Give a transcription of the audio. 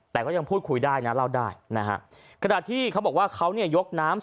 แต่ก็ยังพูดคุยได้นะเล่าได้นะฮะขณะที่เขาบอกว่าเขาเนี่ยยกน้ำ